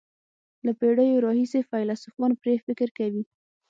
له پېړیو راهیسې فیلسوفان پرې فکر کوي.